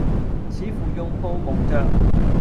似乎用布蒙着；